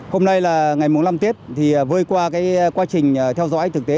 hôm nay là ngày mùng năm tiết vơi qua quá trình theo dõi thực tế